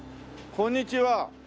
こんにちは。